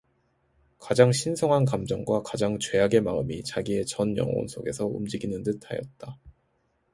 가장 신성한 감정과 가장 죄악의 마음이 자기의 전 영혼 속에서 움직이는 듯하였다.